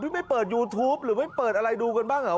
ไม่เปิดยูทูปหรือไม่เปิดอะไรดูกันบ้างเหรอ